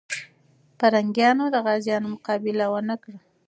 پرنګیان د غازيانو مقابله ونه کړه.